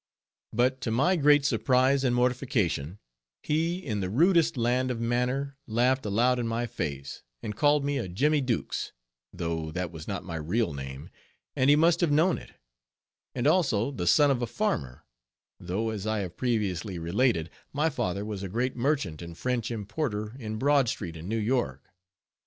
But to my great surprise and mortification, he in the rudest land of manner laughed aloud in my face, and called me a "Jimmy Dux," though that was not my real name, and he must have known it; and also the "son of a farmer," though as I have previously related, my father was a great merchant and French importer in Broad street in New York.